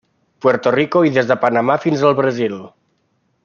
Puerto Rico i des de Panamà fins al Brasil.